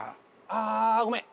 ああごめん。